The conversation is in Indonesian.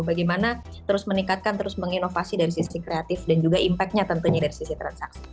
bagaimana terus meningkatkan terus menginovasi dari sisi kreatif dan juga impact nya tentunya dari sisi transaksi